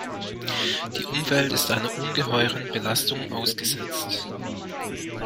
Die Umwelt ist einer ungeheuren Belastung ausgesetzt.